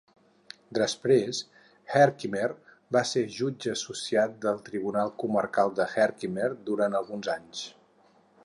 Després, Herkimer va ser jutge associat del Tribunal Comarcal de Herkimer durant alguns anys.